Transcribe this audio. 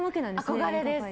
憧れです。